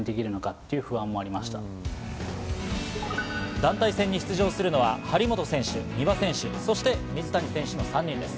団体戦に出場するのは張本選手、丹羽選手そして水谷選手の３人です。